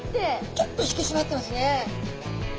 きゅっと引き締まってますね。